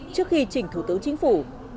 trước khi trình thủ tướng chính phủ